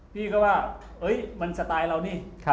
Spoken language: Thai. พี่ก็ว่ามันสไตล์เรานี่